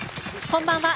こんばんは。